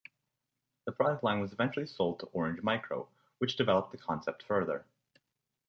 The product line was eventually sold to Orange Micro, which developed the concept further.